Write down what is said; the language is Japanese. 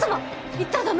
行ったら駄目です。